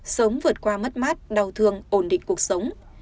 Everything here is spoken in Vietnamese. sớm vượt qua mất mát đau thương ổn định cuộc sống